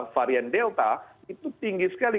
varian delta itu tinggi sekali